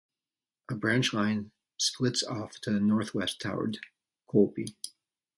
A branch line splits off to the northwest toward Colby.